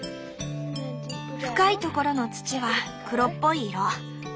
深いところの土は黒っぽい色。